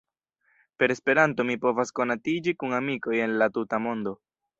Per Esperanto mi povas konatiĝi kun amikoj el la tuta mondo.